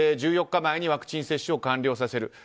１４日前にワクチン接種を完了させる。